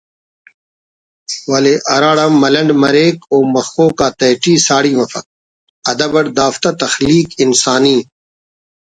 ولے ہراڑا ملنڈ مریک او مخوک آتیٹی ساڑی مفک “ ادب اٹ دافتا تخلیق انسانی